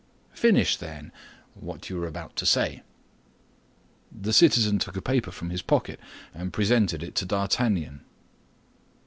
"Finish, then, what you were about to say." The citizen took a paper from his pocket, and presented it to D'Artagnan.